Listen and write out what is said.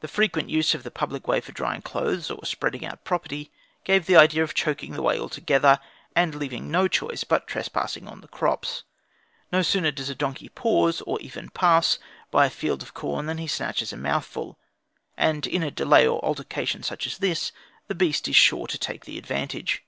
The frequent use of the public way for drying clothes, or spreading out property, gave the idea of choking the way altogether, and leaving no choice but trespassing on the crops. No sooner does a donkey pause, or even pass, by a field of corn than he snatches a mouthful, and in a delay or altercation such as this the beast is sure to take the advantage.